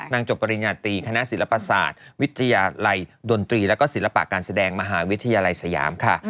จบปริญญาตรีคณะศิลปศาสตร์วิทยาลัยดนตรีแล้วก็ศิลปะการแสดงมหาวิทยาลัยสยามค่ะ